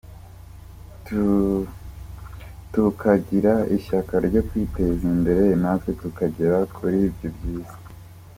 tukagira ishyaka ryo kwiteza imbere natwe tukagera kuri ibyo byiza